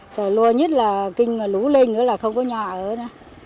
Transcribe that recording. trời lùa nhất là kinh mà lũ lên nữa là không có nhà ở nữa